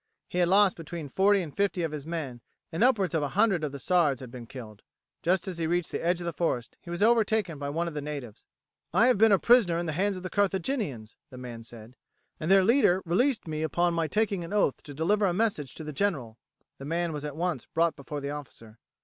He had lost between forty and fifty of his men and upwards of a hundred of the Sards had been killed. Just as he reached the edge of the forest he was overtaken by one of the natives. "I have been a prisoner in the hands of the Carthaginians," the man said, "and their leader released me upon my taking an oath to deliver a message to the general." The man was at once brought before the officer.